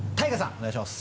お願いします。